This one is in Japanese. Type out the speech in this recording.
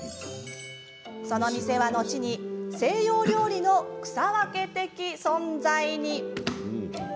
その店は、後に西洋料理の草分け的存在に。